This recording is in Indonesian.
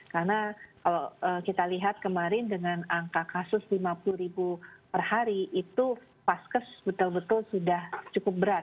karena kalau kita lihat kemarin dengan angka kasus lima puluh ribu perhari itu paskes betul betul sudah cukup berat